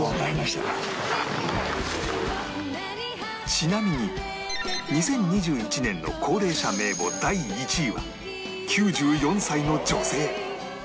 ちなみに２０２１年の高齢者名簿第１位は９４歳の女性